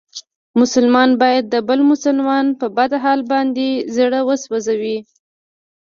مسلمان باید د بل مسلمان په بد حال باندې زړه و سوځوي.